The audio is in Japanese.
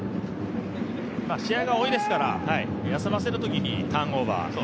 試合が多いですから休ませるときにターンオーバー。